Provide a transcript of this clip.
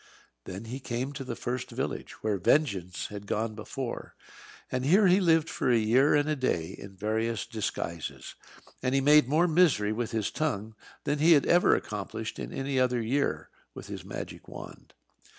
Then he came to the first village, where Vengeance had gone before, and here he lived for a year and a day in various disguises; and he made more misery with his tongue than he had ever accomplished in any other year with his magic wand.